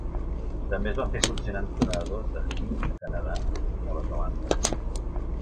També es van fer funcionar entrenadors de Hind a Canadà i Nova Zelanda.